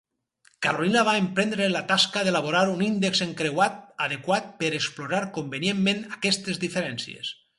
Carolina va emprendre la tasca d'elaborar un índex encreuat adequat per explorar convenientment aquestes diferències.